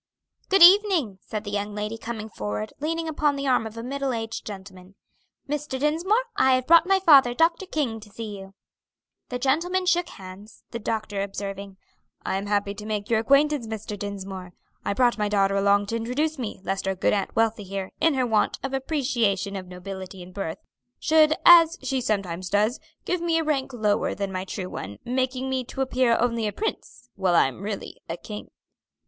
"Good evening," said the young lady, coming forward, leaning upon the arm of a middle aged gentleman. "Mr. Dinsmore, I have brought my father, Dr. King, to see you." The gentlemen shook hands, the doctor observing, "I am happy to make your acquaintance, Mr. Dinsmore. I brought my daughter along to introduce me, lest our good Aunt Wealthy here, in her want of appreciation of nobility and birth, should, as she sometimes does, give me a rank lower than my true one, making me to appear only a Prince, while I am really a King."